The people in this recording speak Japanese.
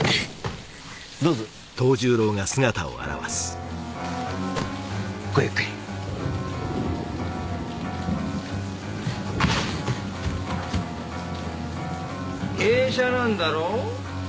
どうぞごゆっくり芸者なんだろ？